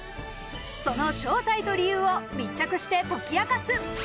その正体と理由を密着して解き明かす。